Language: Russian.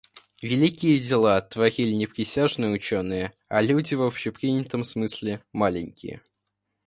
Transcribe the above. Великие дела творили не присяжные ученые, а люди, в общепринятом смысле, маленькие.